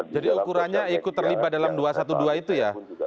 jadi ukurannya ikut terlibat dalam dua ratus dua belas itu ya